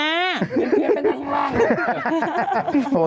เพียนเพียนไปนั่งข้างล่าง